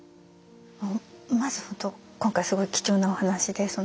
まず本当今回すごい貴重なお話で。